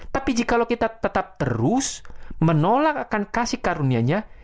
tapi jika kita tetap terus menolak akan kasih karunianya